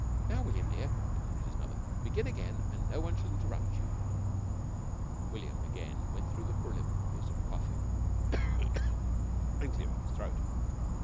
"Now, William dear," continued his mother, "begin again and no one shall interrupt you." William again went through the preliminaries of coughing and clearing his throat.